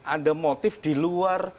ada motif diluar